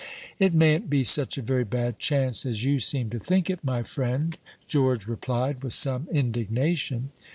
"It mayn't be such a very bad chance as you seem to think it, my friend," George replied, with some indignation.